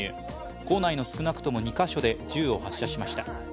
構内の少なくとも２か所で銃を発射しました。